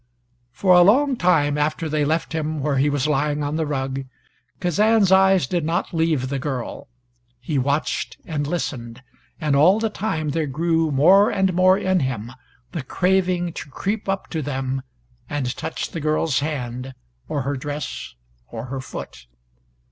For a long time after they left him where he was lying on the rug, Kazan's eyes did not leave the girl. He watched and listened and all the time there grew more and more in him the craving to creep up to them and touch the girl's hand, or her dress, or her foot.